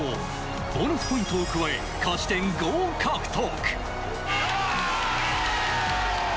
ボーナスポイントを加え、勝ち点５を獲得。